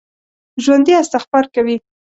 ژوندي استغفار کوي